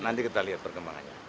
nanti kita lihat perkembangannya